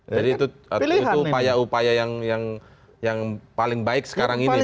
jadi itu upaya upaya yang paling baik sekarang ini